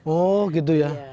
oh gitu ya